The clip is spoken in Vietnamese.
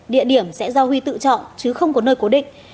địa điểm sẽ do huy tự chọn chứ không có nơi cố định